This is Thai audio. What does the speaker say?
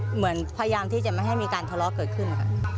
เหมือนพยายามที่จะไม่ให้มีการทะเลาะเกิดขึ้น